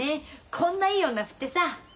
こんないい女振ってさ。